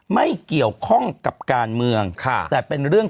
ไม่เกี่ยวข้องกับการเมือง